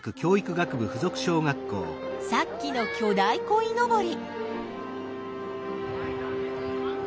さっきの巨大こいのぼり。